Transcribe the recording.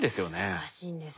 難しいんです。